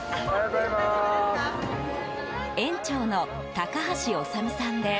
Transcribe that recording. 園長の高橋修さんです。